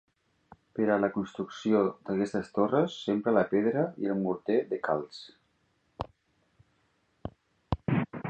Per a la construcció d'aquestes torres s'empra la pedra i el morter de calç.